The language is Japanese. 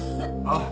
ああ。